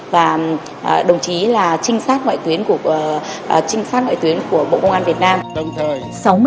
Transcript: và đồng chí là trinh sát ngoại tuyến của bộ công an việt nam